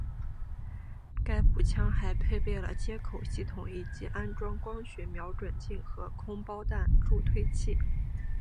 该步枪还配备了接口系统以安装光学瞄准镜和空包弹助退器。